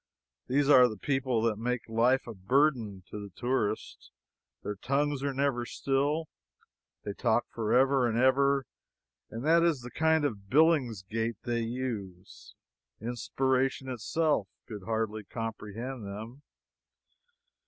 These are the people that make life a burthen to the tourist. Their tongues are never still. They talk forever and forever, and that is the kind of billingsgate they use. Inspiration itself could hardly comprehend them.